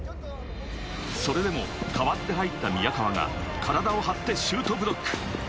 それでも代わって入った宮川が体を張ってシュートブロック。